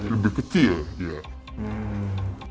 lebih kecil lah sekarang gitu